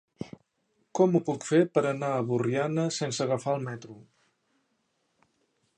Com ho puc fer per anar a Borriana sense agafar el metro?